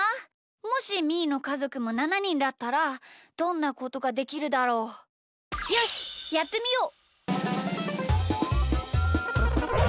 もしみーのかぞくも７にんだったらどんなことができるだろう？よしやってみよう！